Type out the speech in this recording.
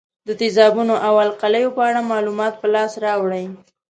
د تیزابونو او القلیو په اړه معلومات په لاس راوړئ.